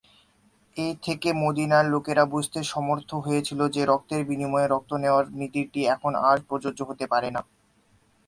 এ থেকে মদিনার লোকেরা বুঝতে সমর্থ হয়েছিল যে, রক্তের বিনিময়ে রক্ত নেওয়ার নীতিটি এখন আর প্রযোজ্য হতে পারে না।